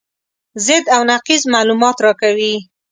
ضد او نقیض معلومات راکوي.